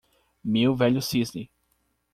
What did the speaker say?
Meu velho cisne